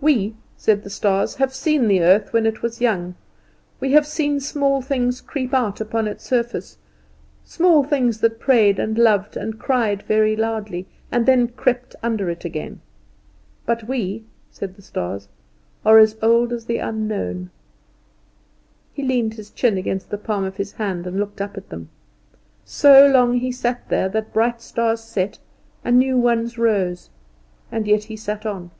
"We," said the stars, "have seen the earth when it was young. We have seen small things creep out upon its surface small things that prayed and loved and cried very loudly, and then crept under it again. But we," said the stars, "are as old as the Unknown." He leaned his chin against the palm of his hand and looked up at them. So long he sat there that bright stars set and new ones rose, and yet he sat on.